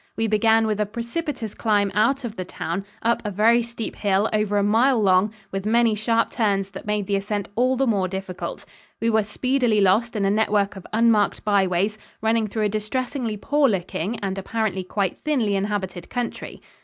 We began with a precipitous climb out of the town, up a very steep hill over a mile long, with many sharp turns that made the ascent all the more difficult. We were speedily lost in a network of unmarked byways running through a distressingly poor looking and apparently quite thinly inhabited country.